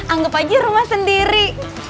anggap aja rumah sendiri